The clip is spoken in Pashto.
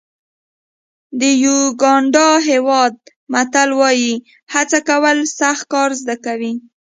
د یوګانډا هېواد متل وایي هڅه کول سخت کار زده کوي.